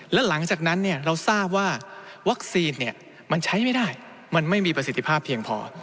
แล้วหลังจากนั้นเราทราบว่าวัคซีนมันใช้ไม่ได้มันไม่มีประสิทธิภาพเพียงพอ